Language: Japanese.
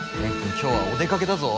今日はお出かけだぞ。